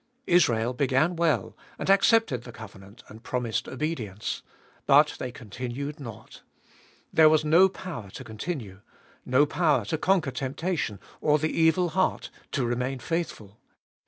Israel began well, and accepted the covenant, and promised obedience. But they continued not. There was no power to continue ; no power to conquer temptation, or the evil heart ; to remain faithful.